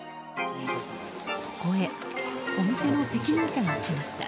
そこへお店の責任者が来ました。